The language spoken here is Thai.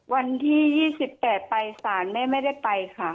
วันที่๒๘ไปสารแม่ไม่ได้ไปค่ะ